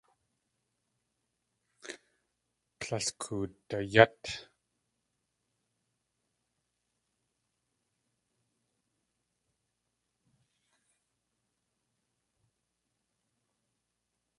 Tlél koodayát.